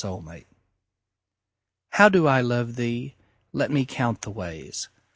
XLIII How do I love thee? Let me count the ways.